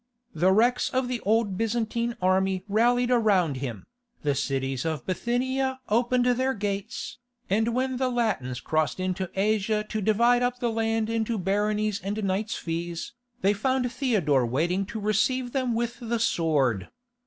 The wrecks of the old Byzantine army rallied around him, the cities of Bithynia opened their gates, and when the Latins crossed into Asia to divide up the land into baronies and knights fees, they found Theodore waiting to receive them with the sword.